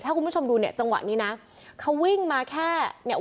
ถ้าคุณผู้ชมดูเนี่ยจังหวะนี้นะเขาวิ่งมาแค่เนี่ย